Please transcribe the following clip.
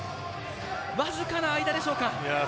わずかな間でしょうか？